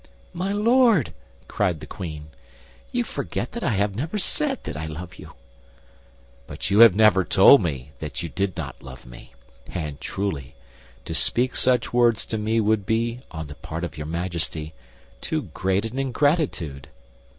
"My Lord," cried the queen, "you forget that I have never said that I love you." "But you have never told me that you did not love me; and truly, to speak such words to me would be, on the part of your Majesty, too great an ingratitude.